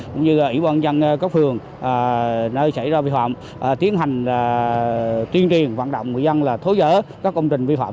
cũng như ủy ban dân các phường nơi xảy ra vi phạm tiến hành tuyên truyền vận động người dân là thố dỡ các công trình vi phạm